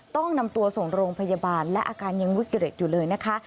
ต้องนำตัวส่งโรงพยาบาลและอาการยังวิกฤตอยู่เลยนะคะ